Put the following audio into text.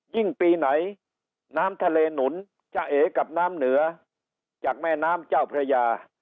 ปีไหนน้ำทะเลหนุนจะเอกับน้ำเหนือจากแม่น้ำเจ้าพระยา